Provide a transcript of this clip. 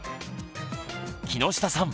木下さん